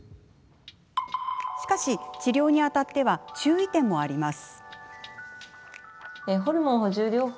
しかし、治療にあたって注意点もあります。